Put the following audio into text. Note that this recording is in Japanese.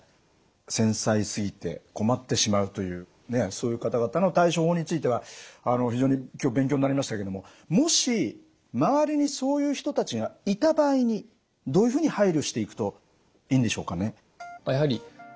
繊細すぎて困ってしまうというそういう方々の対処法については非常に今日勉強になりましたけどももし周りにそういう人たちがいた場合にどういうふうに配慮していくといいんでしょうかね？